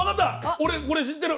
俺これ知ってる！